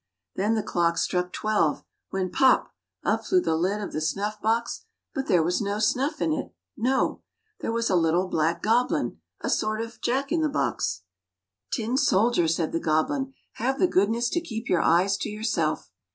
Then the clock struck twelve, when pop ! up flew the lid of the snuff box, but there was no snuff in it, no! There was a little black goblin, a sort of Jack in the box. " Tin soldier! " said the goblin, " have the goodness to keep your eyes to yourself."